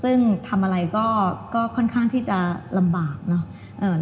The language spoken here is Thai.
ซึ่งทำอะไรก็ค่อนข้างที่จะลำบากเนอะ